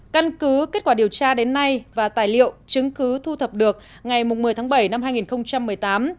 căn cứ kết quả điều tra đến nay và tài liệu chứng cứ thu thập được ngày một mươi tháng bảy năm hai nghìn một mươi tám